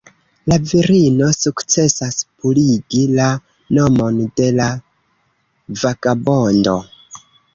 La virino sukcesas purigi la nomon de la vagabondo.